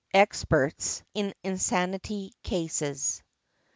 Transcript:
EXPERTS IN INSANITY CASES.